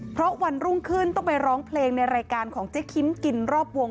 เพราะวันรุ่งขึ้นต้องไปร้องเพลงในรายการของเจ๊คิมกินรอบวง